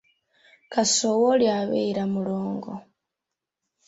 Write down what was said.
Kasowole abeera mulongo.